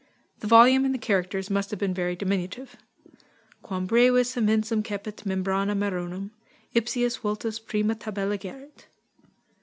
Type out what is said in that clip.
The volume and the characters must have been very diminutive. _Quam brevis immensum cepit membrana Maronem! Ipsius Vultus prima tabella gerit.